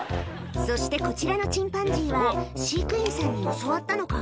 そしてこちらのチンパンジーは飼育員さんに教わったのか？